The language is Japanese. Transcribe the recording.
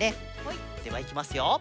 ではいきますよ。